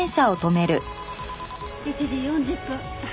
１時４０分。